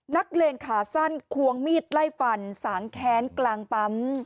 เลงขาสั้นควงมีดไล่ฟันสางแค้นกลางปั๊ม